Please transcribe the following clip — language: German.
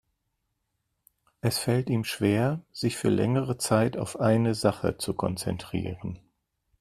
Es fällt ihm schwer, sich für längere Zeit auf eine Sache zu konzentrieren.